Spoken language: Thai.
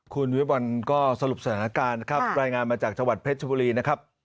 คุณวิวัลก็สรุปสถานการณ์นะครับรายงานมาจากจังหวัดเพชรชบุรีนะครับ